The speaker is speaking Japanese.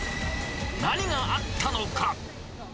何があったのか。